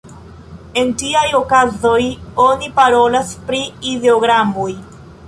En tiaj okazoj oni parolas pri ideogramoj.